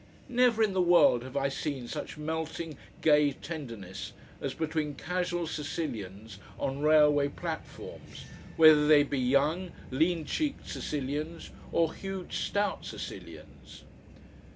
Never in the world have I seen such melting gay tenderness as between casual Sicilians on railway platforms, whether they be young lean cheeked Sicilians or huge stout Sicilians.